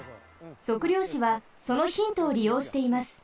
測量士はそのヒントをりようしています。